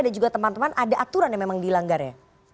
dan juga teman teman ada aturan yang memang dilanggar ya